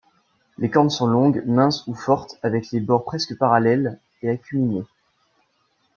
Les cornes sont longues, minces ou fortes avec les bords presque parallèles et acuminées.